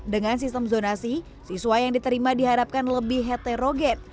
dengan sistem zonasi siswa yang diterima diharapkan lebih heterogen